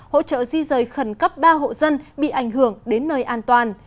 hỗ trợ di rời khẩn cấp ba hộ dân bị ảnh hưởng đến nơi an toàn